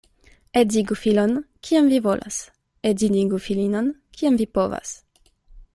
Edzigu filon, kiam vi volas — edzinigu filinon, kiam vi povas.